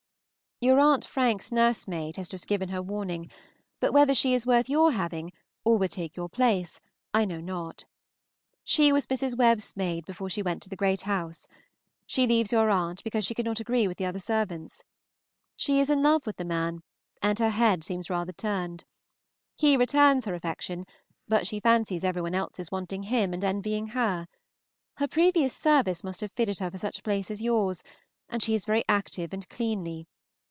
Your Aunt Frank's nursemaid has just given her warning, but whether she is worth your having, or would take your place, I know not. She was Mrs. Webb's maid before she went to the Great House. She leaves your aunt because she cannot agree with the other servants. She is in love with the man, and her head seems rather turned. He returns her affection, but she fancies every one else is wanting him and envying her. Her previous service must have fitted her for such a place as yours, and she is very active and cleanly.